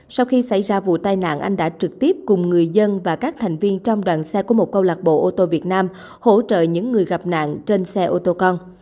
sau khi xảy ra vụ tai nạn anh đã trực tiếp cùng người dân và các thành viên trong đoàn xe của một câu lạc bộ ô tô việt nam hỗ trợ những người gặp nạn